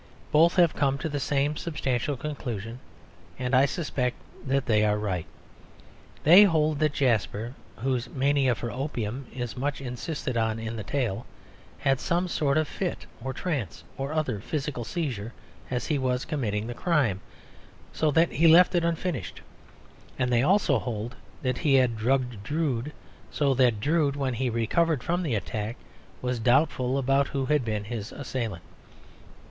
Both have come to the same substantial conclusion; and I suspect that they are right. They hold that Jasper (whose mania for opium is much insisted on in the tale) had some sort of fit, or trance, or other physical seizure as he was committing the crime so that he left it unfinished; and they also hold that he had drugged Drood, so that Drood, when he recovered from the attack, was doubtful about who had been his assailant.